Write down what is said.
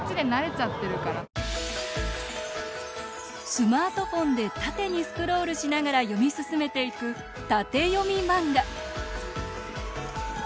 スマートフォンで縦にスクロールしながら読み進めていく縦読み漫画。